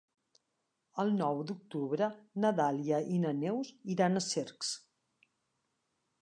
El nou d'octubre na Dàlia i na Neus iran a Cercs.